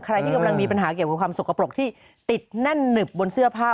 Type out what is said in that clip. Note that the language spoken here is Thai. ใครที่กำลังมีปัญหาเกี่ยวกับความสกปรกที่ติดแน่นหนึบบนเสื้อผ้า